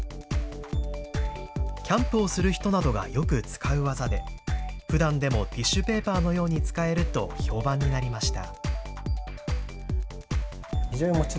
キャンプをする人などがよく使う技で、ふだんでもティッシュペーパーのように使えると評判になりました。